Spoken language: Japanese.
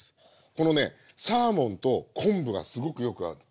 このねサーモンと昆布がすごくよく合うの。